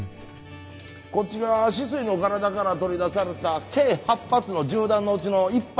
こっちが酒々井の体から取り出された計８発の銃弾のうちの１発や。